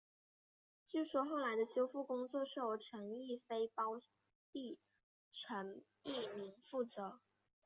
据说后来的修复工作是由陈逸飞胞弟陈逸鸣负责。